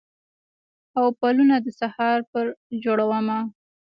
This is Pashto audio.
او پلونه د سهار پر جوړمه